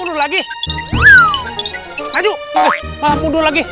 untuk ke pentok lagi